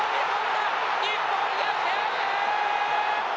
日本逆転。